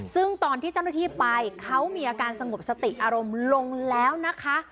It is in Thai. ซึ่งตอนที่เจ้าหน้าที่ไปเขามีอาการสงบสติอารมณ์ลงแล้วนะคะ